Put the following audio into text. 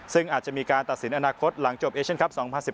ซึ่งอาจจะมีการตัดสินอนาคตหลังจบเอเชียนคลับ๒๐๑๘